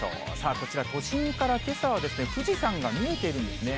こちら、都心からけさは富士山が見えているんですね。